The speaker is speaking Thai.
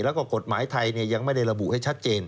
แล้วก็กฎหมายไทยยังไม่ได้ระบุให้ชัดเจน